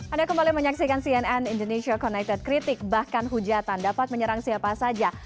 anda kembali menyaksikan cnn indonesia connected kritik bahkan hujatan dapat menyerang siapa saja